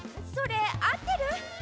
それあってる？